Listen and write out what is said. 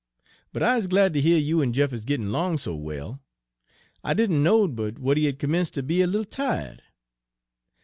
But I's glad ter heah you en Jeff is gittin' 'long so well. I didn' knowed but w'at he had 'mence' ter be a little ti'ed.'